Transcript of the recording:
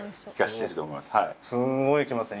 すごいきますね